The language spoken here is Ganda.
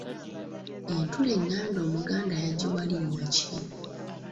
Entula enganda Omuganda yagiwa linnya ki?